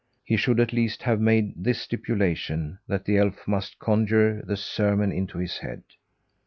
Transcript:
He should at least have made this stipulation: that the elf must conjure the sermon into his head.